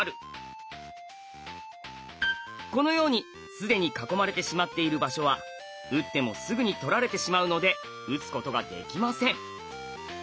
このように既に囲まれてしまっている場所は打ってもすぐに取られてしまうので打つことができません。